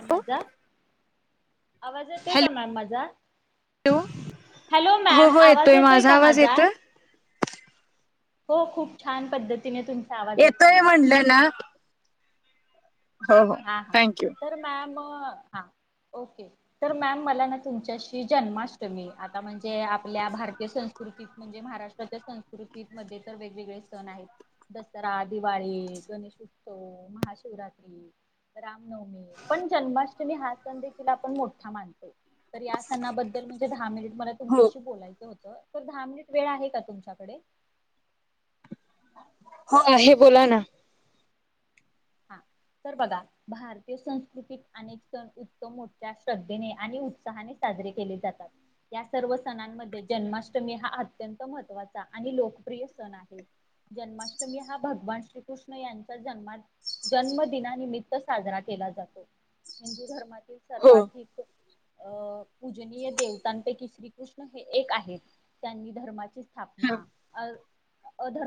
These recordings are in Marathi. आमझ आवाज येतोय का हॅलो मॅम माझा. हॅलो हो मॅम हो आवाज येतोय का आवाज माझा. येतोय हो खूप छान पद्धतीने तुम येतोय म्हटलं ना. हो हो हा हा थँक्यू तर मॅम हा ओके मॅम म ना तुमच्याशी जन्माष्टमी आता म्हणजे जे आपल्या भारतीय संस्कृतीत म्हणजे महाराष्ट्राच्या संस्कृतीमध्ये तर वेगवेगळे सण आहेत दसरा दिवाळी गणेश उत्सव महाशिवरात्री. राम नवमी पण जन्माष्टमी हा सण देखील आपण मोठा मानतोय. तर या सणाबद्दल म्हणजे दहा मिनिट मला हो तुमच्याशी बोलायचं होतं. तर दहा मिनिट वेळ आहे का तुमच्याकडे? हो आहे बोला ना. हा तर बघा भारतीय संस्कृतीत अनेक सण उत्तम मोठ्या श्रद्धेने आणि उत्साहाने सा जरी या सर्व सणांमध्ये जन्माष्टमी हा अत्यंत महत्वाचा आणि लोकप्रि यसण आहे जन्माष्टमी हा भगवान श्रीकृष्ण यांचा जन्मात जन्मदनानिमित्त साजरा केला जातो, हिंदू धर्मातील हो सर्वाधिक अ पूजनीय देवतांपैकी श्रीकृष्ण हे एक आहेत त्यांनी धर्माचे हा स्थापना अ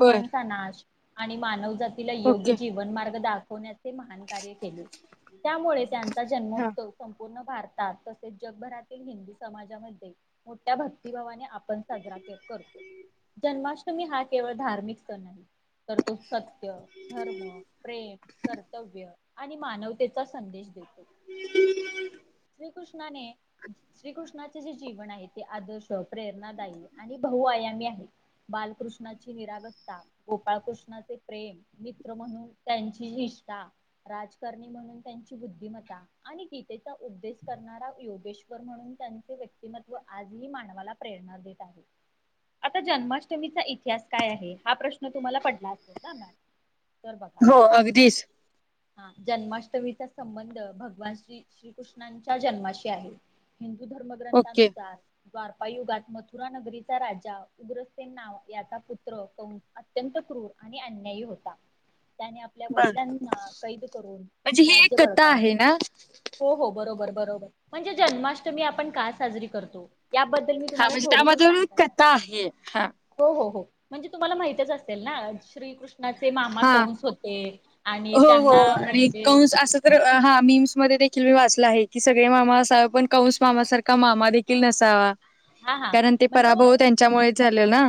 बर नाश आणि मानव जात तीला योग्य ओके जीवन मार्ग दाख खवण्याचे महान कार्य केले, त्यामुळे त्यांचा हा जन्मोत्सव खूप पूर्ण भारतात तसेच जगभरातील हिंदू समाजामध्ये मोठ्या भक्तिभावाने आपण साजरा कर करतो जन्माष्टमी हा केवळ धार्मिक सण आहे. तर तो सत्य धर्म प्रेम कर्तव्य आणि मानवतेचा संदेश देतो. [inaudible] श्रीकृष्णाने श्रीकृष्णाचे जे जीवन आहे ते आदर्श प्रेरणादायी आणि बह पाया मी आहे बालकृष्णाची निरावस्था गोपाळकृष्णाचे प्रेम मित्र म्हणून त्यांची निष्ठा राजकारणी म्हणून त्यांची बुद्धिमत्ता आणि गीतेचा उपदेश करणारा योगेश्वर म्हणून त्यांचे व्यक्तिमत्व आजही मानवाला प्रेरणा देत आहे. आता जन्माष्टमीचा इतिहास काय आहे? हा प्रश्न तुम्हाला पडला असेल ना मॅम तर बघा. घिस हा जन्माष्टमीचा संबंध भगवान श्री श्रीकृष्णांच्या जन्माशी आहे. धर्म ओके ग्रंथानुसार द्वापार युगात मथुरा नगरीचा राजा उग्रसेन नाव याचा पुत्र कंस अत्यंत फु क्रुर आणि अन्याय होता त्याने आपल्या बर वडिलांना कैद करून म्हणजे ही एक राज्य कथा बळकावलं, आहे ना हो हो बरोबर बर म्हणजे जन्माष्टमी आपण काय साजरी करतो? याबद्दल मी हा तुम्हाला म्हणजे थोडस त्यामध्ये सांगतात कथा आहे हा हो हो हो म्हणजे तुम्हाला माहितच असतील ना श्रीकृष्णाचे मामा हा कंस होत हो हो आणि अस तर हा मीम्स मध्ये देखील मी वाचलं आहे की सगळे मामा असावे पण कंस मामा सारखा मामा देखील नसावा. हा हा कारण ते म्हणजे पराभव त्यांच्यामुळे झाले ना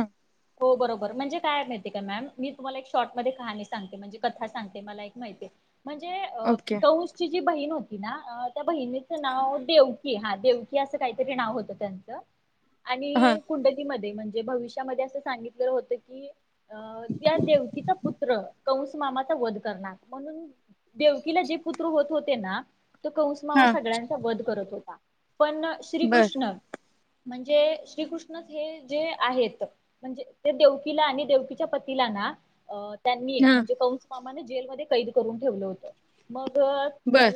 हो बरोबर म्हणजे काय माहितीय का मॅम मी तुम्हाला एक शॉर्ट मध्ये कहाणी सांगते म्हणजे कथा सांगते मला एक माहितीये म्हणजे ओके कंसची जी बहीण होती ना अ त्या बहिणीचं नाव देवक की हा देवकी असं काहीतरी नाव होतं त्यांच हा आणि कुंडलीमध ध्ये म्हणजे भविष्यामध्ये असं सांगितलेलं होत की त्या देवकीचा पुत्र कंस मामाचा वध करणार म्ह णून देवकीला जे पुत्र होत होते ना तो कंस मामा हा सगळ्यांचा वध करत होता, पण बर श्रीकृष्ण म्हणजे श्रीकृष्णच हे जे आहेत. म्हणजे ते देवकीला आणि देवकीच्या पतीला ना त्यांनी हा म्हणजे कौ म्हणजे जेलमध्ये कैद करून ठेवले होते बर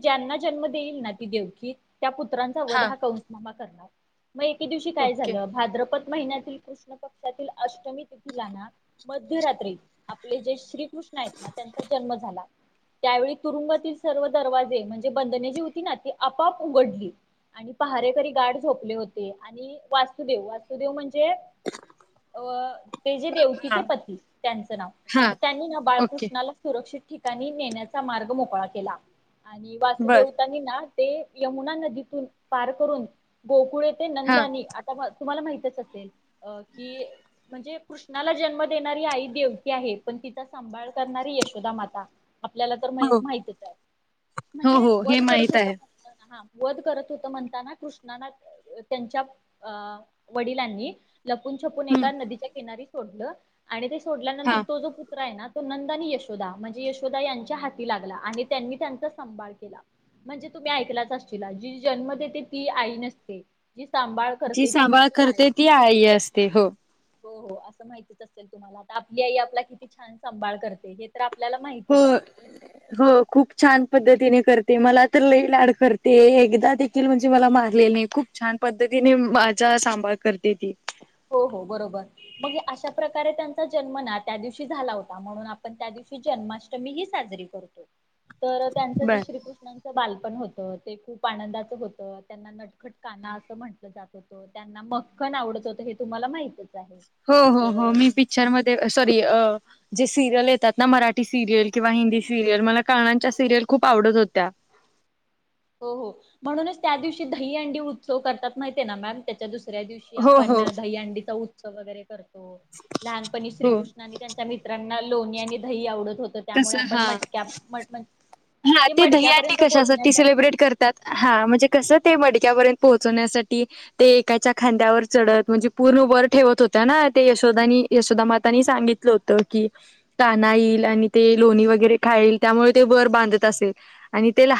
ज्यांना जन्म देईल ना ती देवक त्या पुत्रांचा हा वधा कंसनामा करणार मग एके दिवशी काय ओके झालं भाद्रपत महिन्यातील पक्षातील अष्टमी तिथिलाना मध्यरात्री आपले जे श्रीकृष्ण आहेत ना त्यांचा जन्म झाला त्यावेळी तुरुंगातील सर्व दरवाजे म्हणजे बंधने जी होती ना ती आपाप उघडली आणि पहारेकरी गाड झोपले होते आणि वास्तुदेव वास्तुदेव म्हणजे [inaudible] अ ते जे हा देवकीचे पती त्यांचं नाव हा मग त्यांनी ना ओके बाळकृष्णाला सुरक्षित ठिकाणी नेण्याचा मार्ग मोकळा केला आणि बर वासुदेवतांनी ना ते यमुना नदीतून पार करून गोकुळे ते हा नंदानी आता तुम्हाला माहितच असेल अ कि म्हणजे कृष्णाला जन्म देणारी आई देवती आहे पण तिचा सांभाळ करणारी यशोदा माता आपल्याला तर हो माहितीच आहे पण हो [unintelligible] हो [unintelligible] वत हे करत माहित आहे होता वध करत होत म्हणताना कृष्णाना त्यांच्या अ वडिलांनी ल छपून छपून हम्म एका नदीच्या किनारी सोडलं आणि ते सोडल्यानंतर हा तो जो पुत्रा आहे ना तो नंद आणि यशोदा म्हणजे यशोदा यांच्या हाती लागला आणि त्यांनी त्यांचा सांभाळ केला म्हणजे तुम्ही ऐकलाच असशला जी जन्म देते ती आई नसते जी सांभाळ जी करते ती सांभाळ देखील आहे करते ती आई असते हो हो हो असं माहितीच असेल तुम्हाला आता आपली आई आपला किती छान सांभाळ करते हे तर आपल्याला हो माहितच आहे हो खूप छान पद्धतीने कर ते मला तर लई लाड करते एकदा देखील म्हणजे मला मारले नाही खूप छान पद्धतीने माझ्या सांभाळ करते ती हो हो बरोबर मग अशा प्रकारे त्यांचा जन्म ना त्या दिवशी झाला होता म्हणून आपण त्या दिवशी जन्माष्टमी साजरी करतो तर त्यांच ज बर श्रीकृष्णचा बाल ण होत ते खूप आनंदाच होत त्यांना नटखट काना असं म्हटलं जात होतं त्यांना म न आवडत असतं तुम्हाला माहित हो हो हो मी पिक्चरमध्येध्ये सॉरी अ जे सिरियल येतात ना मराठी सिरियल किंवा हिंदी सिरियल मला कानाच्या सिरियल खूप आवडत होत्या [inaudible] हो हो म्हणूनच त्या दिवशी दही अंडी उत्सव करतात माहिित आहे ना मॅम त्याच्या दिवस दुसऱ्या दिवशी हो आपण हो दही अंडीचा उत्सव वगैरे करतो लहानपणी हो श्रीकृष्ण आणि त्यांच्या मित्रांनी लोणी आणि दही आवडत होत तस त्यामुळे आपण मटक्या ा ते दहींडी मडक्यापर्यंत कशात पोहोचण्यासाठी त म्हण क मड्यार्यंत पोहण्यासाठी एकाच्या खांद्यावर च म्हणजे पूर्ण व ठेवत होत ना यशोदा यशोदामातानी सांगितलं होत की का ईल आणि ते लोणी वगैरे खाईल त्यामुळे ते बर बांध ल हो त्यां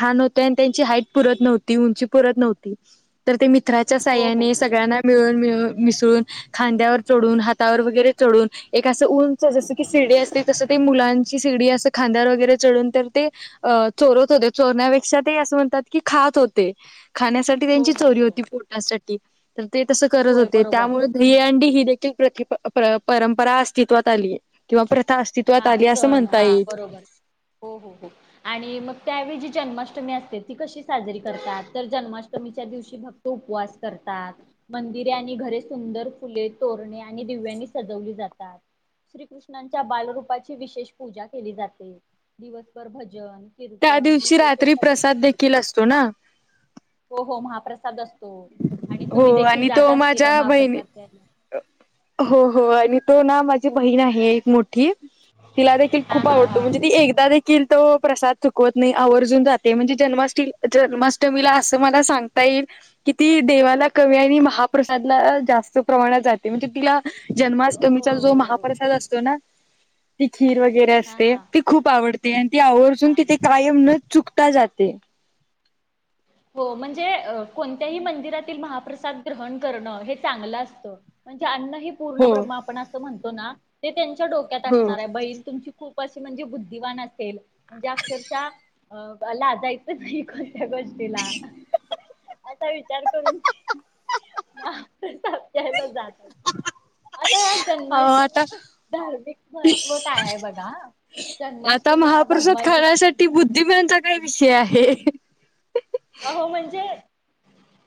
हत न्हंत नव्ह अकराच्या हो हो साहाय्याने हो सगळ्यांना मिळून मिळून मिसळून खांद्यावर चढून हातावर वगैरे चढून एक असं उंच जस की फिडे असतील तस ते मुलांची सिडी असं खांदार वगैरे चढून तर ते अ चोरत होते चोरण्यापेक्षा ते असं म्हणतात की खात होते खाण्यासाठी हो त्यांची हो चोरी हो होती पोटासाठी तर ते तसं करत होय होते बरोबर त्यामुळे भ अँ डी ही देखील प्रकि परंपरा अस्तित्वात आली किंवा हा अस्तित्वात आली असं सण म्हणता हा येईल बरोबर हो हो हो आणि मग त्यावेळी जी जन्माष्टमी असते ती कशी साजरी करतात तर जन्माष्टमीच्या दिवशी भक्त उपवास करतात मंदिरे आणि घरे सुंदर फुले तोरणे आणि दिव्यांनी सजवली जातात श्रीकृष्णांच्या बालरूपाची विशेष पूजा केली जाते दिवसभर भजन त्या कीर्तन दिवशी गीतेचे रात्री पठण प्रसाद देखील असतो ना हो हो महाप्रसाद असत हो आणि तो माझ्या बहिणी महाप्रसाद घ्यायला हो हो आणि तो ना माझी बहीण आहे एक मोठी तिला देखील हा खूप हा आवडतो हा म्हणजे ती एकदा देील तो प्रसाद चुकवत नाही आवर्जून जाते म्हणजे जन्मा जन्माष्टमीला असं मला सांगताय की देवाला कमी आणि महाप्रदला जास्त प्रणात जाते म्हणजे तिला जन्माष्टमीचा जो ओ महाप्रसाद असतो ना ती खीर वगैरे हां असते हां ती खूप आवडते आणि ती आवर्जून हां. तिथे कायम न चुकते जात हो म्हणजे कोणत्याही मंदिरातील मप्र णण हे चांगलं असत म्हणजे अन्नी पूर्ण हो ब्रण म्हणत ते त्यांच्या डोक्यात हो असणार आहे बैल तुमची खूप अशी म्हणजे बुद्धिवान असेल म्हणजे अक्षरशः अ ला जाायचं नाही कोणत्या गष्ट तिला असा विचार करून केला जात आता या आता जन्माष्टमीच धार्मिक महत्त्व काय आहे बघा आता जन्माष्टमी हा महापुरुषात भगवान खेण्यासाठी विष्णूंचा बुद्धिमानचा काही विषय आहे अहो म्हणजे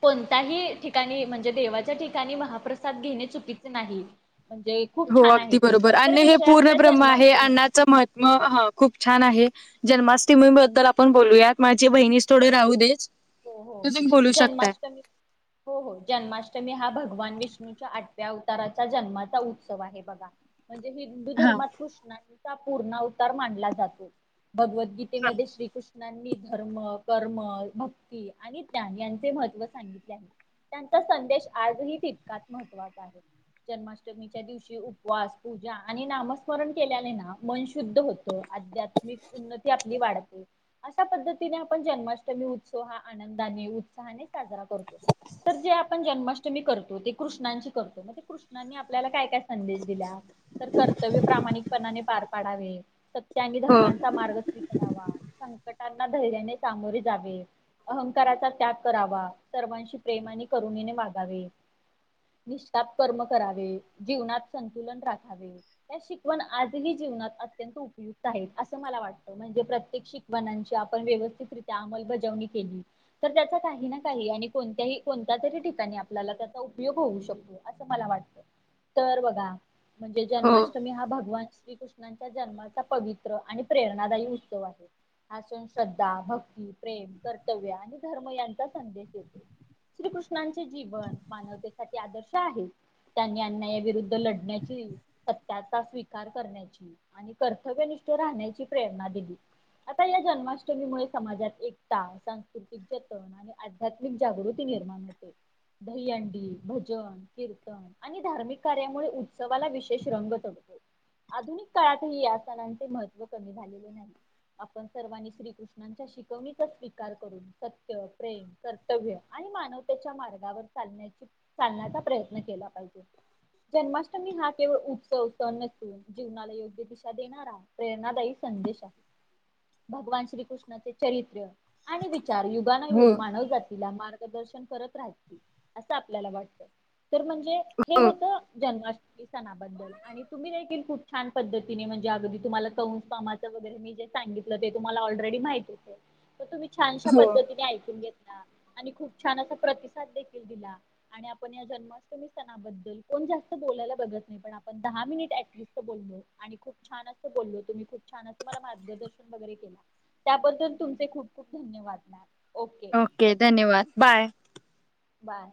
कोणताही ठिकाणी म्हणजे देवाच्या ठिकाणी महाप्रसाद घेणे चुकीचे नाही म्हणजे खूप हो छान आहे अगदी ते. बरोबर तर अन्न हे विषय पूर्ण आपला ब्रम्म आहे जन्माष्टमीचा. अण्नाचं महातम ह खूप छान आहे जन्माष्टमी बद्दल आपण बोलूयात माझी बहिणीस थोडे राहू देच हो हो तुम्ही बोलू शकताय. जन्माष्टमी हो हो जन्माष्टमी हा भ भगवान विष्णूच्या आठव्या अवताराचा जन्माचा उत्सव आहे बघा म्हणजे हिंदू हा धर्मात कृष्णांचा पूर्ण अवतार मानला जातो भगवद्गीतेमध्ये श्रीकृष्णांनी धर्म कर्म भक् आणि त्याञन यांचे महत्त्व सांगितले आहे त्यांचा संदेश आजही तितकाच महत्त्वाचा आहे जन्माष्टमीच्या दिवशी उपवास पूजा आणि नामस्मरण केल्याले ना मन शुद्ध होतं आध्यात्मिक उन्नती आपली वाढते अशा पद्धतीने आपण जन्माष्टमी आनंदाने उत्साहाने साजरा करतो तर जे आपण जन्माष्टमी करतो ते कृष्णांच्या- कृष्णासाठी करतो मग ते कृष्णांनी आपल्या कायं - [unintelligible] संदेश दिल्यात. तर कर्तव्य प्रामाणिकपणाने पार पाडावं. त्यांनी हो धर्मांचा मार्ग स्वीकारावा संकटांना धैर्याने सामोरे जावे. अहंकाराचा त्याग करावा सर्वांशी प्रेमाने, करुणीने वागावे. [unintelligible] कर्म करावे जीवनात संतुलन राखावे त्या शिकवणं आज ही- जीवनात अत्यंत उपयुक्त आहे असं मला वाटत म्हणजे प्रत्येक शिकवानाची आपण व्यवस्थिरीत्या अमंलबजावणी - केली तर त्याचा काही ना काही आणि कोणत्याही कोणत्या तरी ठिकाणी आपल्याला त्याचा उपयोग होऊ शकतो. असं मला वाटतं तर बघा म्हणजे हो जन्माष्टमी हा भगवान - श्रीकृष्णांच्या जन्माचा पवित्र आणि प्रेरणादायी उत्सव आहे. असून श्रद्धा, भक्ती, प्रेम, कर्तव्य आणि धर्म यांचा संदेश देतो. श्रीकृष्णांचे जीवन मानवतेसाठी आदर्श आहे. त्यांनी अन्यायाविरुद्ध लढण्याची, सत्याचा स्वीकार करण्याची आणि कर्तव्य निष्ठ राहण्याची प्रेरणा दिली. आता या जन्माष्टमीमुळे समाजातं एक, सांस्कृतिक जतन आणि आध्यात्मिक जागृती निर्माण होते. दही अंडी भजन कीर्तन आणि धार्मिक कार्यामुळे उत्सवाला विशेष रंग चढतो. आधुनिक काळातही या सणांचे महत्त्व कमी झालेले नाही. आपण सर्वांनी श्रीकृष्णांच्या शिकवणी. स्वीकार करून सत्य, प्रेम कर्तव्य आणि मानवतेच्या मार्गावर चालण्याची. चालण्याचा प्रयत्न केला. जन्माष्टमी हा केवळ उत्सव सण नसून जीवनाला योग्य दिशा देणारा. प्रेरणादायी संदेश आहे. भगवान श्रीकृष्णाचे चरित्र आणि वि- [unintelligible] युगानयुग हो मानव जातीला मार्गदर्शन करत राहतील असं आपल्याला वाटतं. तर म्हणजे हे हो होतं जन्माष्टमी. सणाबद्दल आणि तुम्ही देखील खूप छान पद्धतीने म्हणजे अगदी तुम्हाला कौंस रामाचं वगैरे मी - सांगितलं ते तुम्हाला ऑलरेडी माहिती होतं. तर तुम्ही छानशा हो पद्धतीने ऐकून घेतला. आणि खूप छान असा प्रतिसाद देखील दिला आणि आपण या जन्माष्टमी सणाबद्दल कोण जास्त- बोलायला बघत नाही आपण दहा मिनिटं ॲट लिस्ट बोललो आणि खूपं छानं अस बोललो तुम्ही खूपं छानं असं. मार्गदर्शन वगैरे केलात. त्याबद्दल तुमचे खूप खूप धन्यवाद मॅम. ओके धन्यवाद बाय. बाय.